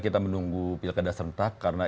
kami akan menunggu pilkada serentak karena